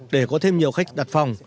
để có thêm nhiều khách đặt phòng